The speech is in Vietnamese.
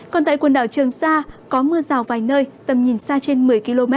còn tại quần đảo trường sa có mưa rào vài nơi tầm nhìn xa trên một mươi km